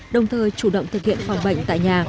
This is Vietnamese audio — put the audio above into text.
đồng thời chủ động thực hiện phòng bệnh tại nhà